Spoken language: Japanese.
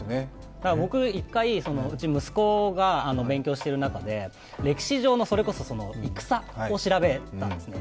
僕一回、うち息子が勉強している中で歴史上の戦を調べたんですね。